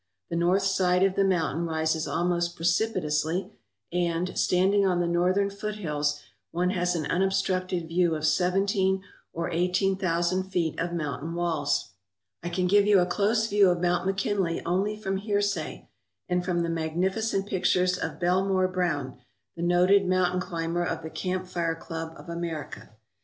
The north side of the mountain rises almost precipitously and, standing on the northern foothills, one has an unobstructed view of sev enteen or eighteen thousand feet of mountain walls. I can give you a close view of Mount McKinley only from hearsay and from the magnificent pictures of Bel : more Browne, the noted mountain climber of the Camp Fire Club of America. Mr.